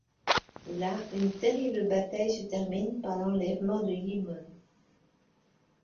Là une terrible bataille se termine par l'enlèvement de Yimmon.